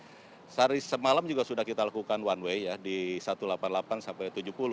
jadi sehari semalam juga sudah kita lakukan one way ya di satu ratus delapan puluh delapan sampai tujuh puluh